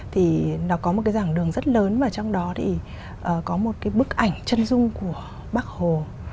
thì nó có một cái giảng đường rất lớn và trong đó thì có một cái bức ảnh chân dung của bác hồ